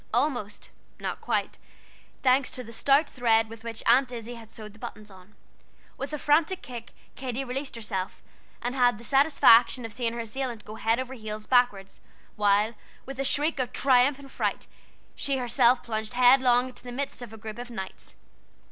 Almost, not quite, thanks to the stout thread with which Aunt Izzie had sewed on the buttons. With a frantic kick Katy released herself, and had the satisfaction of seeing her assailant go head over heels backward, while, with a shriek of triumph and fright, she herself plunged headlong into the midst of a group of Knights.